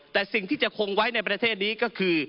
แต่สิ่งที่จะคงไว้ในประเทศนี้ก็คือ